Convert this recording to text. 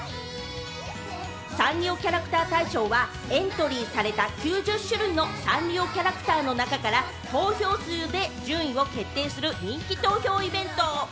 サンリオキャラクター大賞はエントリーされた９０種類のサンリオキャラクターの中から投票数で順位を決定する人気投票イベント。